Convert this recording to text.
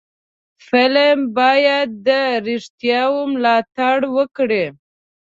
فلم باید د رښتیاو ملاتړ وکړي